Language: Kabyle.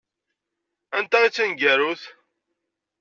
Anta i d taneggarut?